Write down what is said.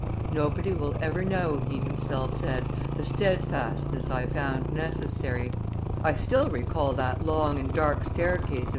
"Nobody will ever know," he himself said, "the steadfastness I found necessary; I still recall that long and dark staircase of M.